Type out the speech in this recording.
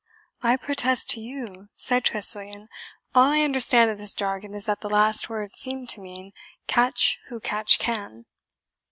"I protest to you," said Tressilian, "all I understand of this jargon is that the last words seem to mean 'Catch who catch can.'"